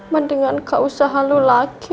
mendingan gak usah lu lagi